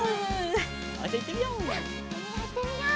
じゃあいってみよう！